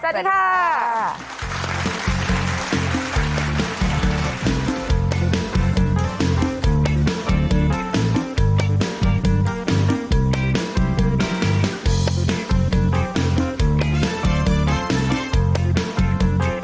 สวัสดีค่ะ